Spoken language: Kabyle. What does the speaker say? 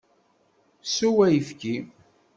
Sew ayefki!